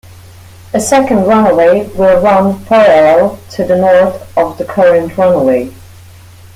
A second runway will run parallel to the north of the current runway.